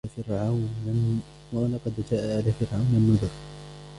ولقد جاء آل فرعون النذر